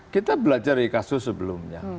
kita belajar dari kasus sebelumnya